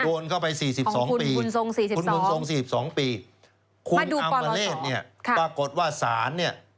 เข้าไป๔๒ปีคุณบุญทรง๔๒ปีคุณอัมปเลศเนี่ยปรากฏว่าศาลเนี่ย